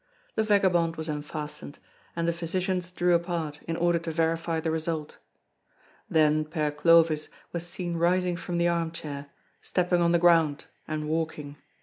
The vagabond was unfastened, and the physicians drew apart in order to verify the result. Then Père Clovis was seen rising from the armchair, stepping on the ground, and walking.